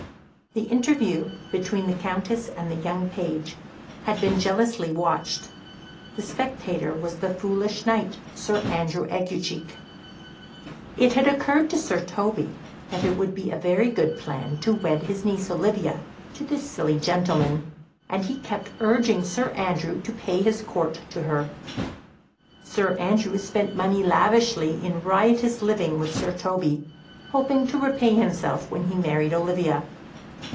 The interview between the Countess and the young page had been jealously watched; the spectator was the foolish knight, Sir Andrew Aguecheek. It had occurred to Sir Toby that it would be a very good plan to wed his niece Olivia to this silly gentleman, and he kept urging Sir Andrew to pay his court to her. Sir Andrew spent money lavishly in riotous living with Sir Toby, hoping to repay himself when he married Olivia.